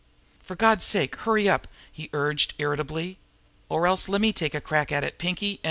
"Fer Gawd's sake, hurry up!" he urged irritably. "Or else lemme take another crack at it, Pinkie, an'..."